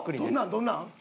どんなん？